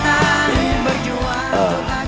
berjuang untuk agama